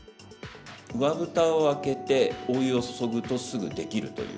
上ぶたを開けて、お湯を注ぐと、すぐできるという。